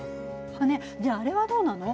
ねえじゃああれはどうなの。